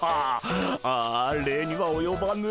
ああ礼にはおよばぬ。